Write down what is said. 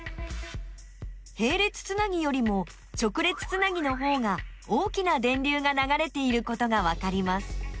へい列つなぎよりも直列つなぎのほうが大きな電流がながれていることがわかります。